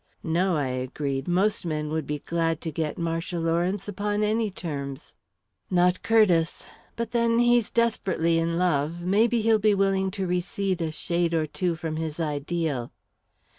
"No," I agreed. "Most men would be glad to get Marcia Lawrence upon any terms." "Not Curtiss but then he's desperately in love. Maybe he'll be willing to recede a shade or two from his ideal."